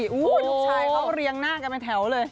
คุณผู้ชายเขาเรียงหน้ากันมาแถวเลย